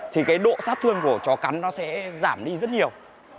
thì cái độ sát thương của chó cắn nó sẽ giảm đi rất nhiều